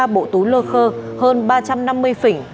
ba bộ tú lơ khơ hơn ba trăm năm mươi phỉnh